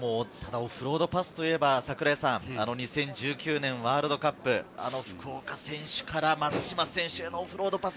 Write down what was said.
オフロードパスと言えば、２０１９年ワールドカップ、福岡選手から松島選手へのオフロードパス。